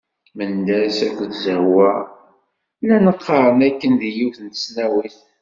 Mendas akked Zehwa llan qqaren akken deg yiwet n tesnawit.